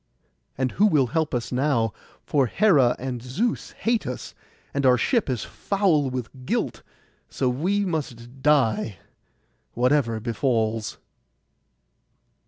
And who will help us now? For Hera and Zeus hate us, and our ship is foul with guilt; so we must die, whatever befalls.